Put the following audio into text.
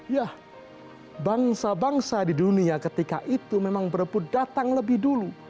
ya bangsa bangsa di dunia ketika itu memang berebut datang lebih dulu